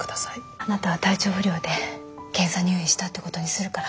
あなたは体調不良で検査入院したってことにするから。